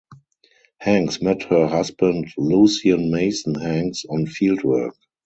Hanks met her husband Lucien Mason Hanks on fieldwork.